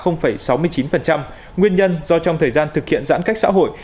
nguyên nhân do trong thời gian thực hiện giãn cách xã hội